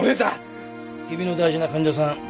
君の大事な患者さん